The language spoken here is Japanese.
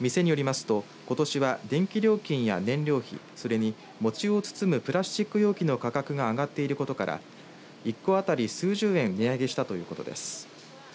店によりますとことしは電気料金や燃料費それに、餅を包むプラスチック容器の価格が上がっていることから一個当たり数十円値上げしたということです。